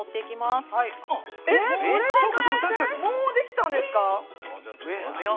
もうできたんですか？